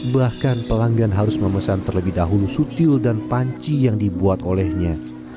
bahkan pelanggan harus memesan terlebih dahulu sutil dan panci yang dibuat olehnya